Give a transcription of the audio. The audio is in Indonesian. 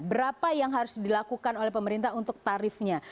berapa yang harus dilakukan oleh pemerintah untuk tarifnya